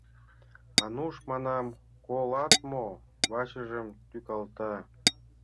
— Ануш, манам, колат мо? — вачыжым тӱкалта.